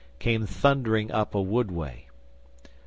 ] came thundering up a woodway.